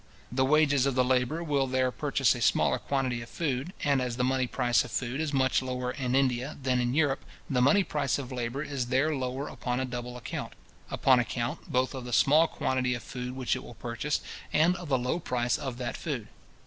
The wages of the labourer will there purchase a smaller quantity of food: and as the money price of food is much lower in India than in Europe, the money price of labour is there lower upon a double account; upon account both of the small quantity of food which it will purchase, and of the low price of that food.